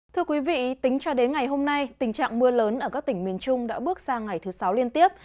thưa quý vị tính cho đến ngày hôm nay tình trạng mưa lớn ở các tỉnh miền trung đã bước sang ngày thứ sáu liên tiếp